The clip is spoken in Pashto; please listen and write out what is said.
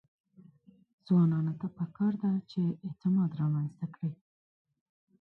ځوانانو ته پکار ده چې، اعتماد رامنځته کړي.